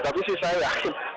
tapi sih saya yakin